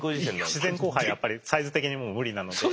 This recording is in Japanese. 自然交配はやっぱりサイズ的にもう無理なので。